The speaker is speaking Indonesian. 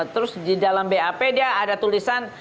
terus di dalam bap dia ada tulisan